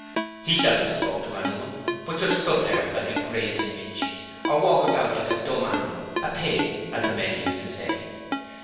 He seldom spoke to anyone, but just stood there like a graven image, or walked about like a dumb animal a pig, as the men used to say.